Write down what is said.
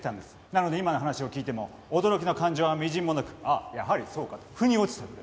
なので今の話を聞いても驚きの感情はみじんもなく「ああやはりそうか」と腑に落ちたぐらいです。